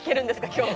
今日。